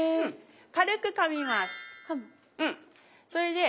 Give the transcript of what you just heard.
軽くかみます。